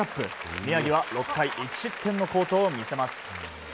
宮城は６回１失点の好投を見せます。